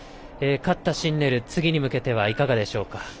勝ったシンネル、次に向けてはいかがでしょうか？